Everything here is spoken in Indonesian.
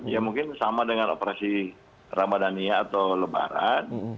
ya mungkin sama dengan operasi ramadhania atau lebaran